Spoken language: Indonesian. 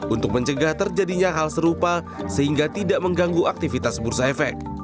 untuk mencegah terjadinya hal serupa sehingga tidak mengganggu aktivitas bursa efek